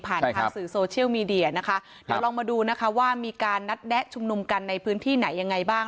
ทางสื่อโซเชียลมีเดียนะคะเดี๋ยวลองมาดูนะคะว่ามีการนัดแนะชุมนุมกันในพื้นที่ไหนยังไงบ้าง